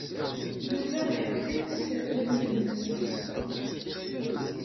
Yuba iḥedded iṣerwalen-nnes.